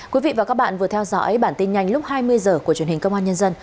quý vị và các bạn vừa theo dõi bản tin nhanh lúc hai mươi h của truyền hình công an nhân dân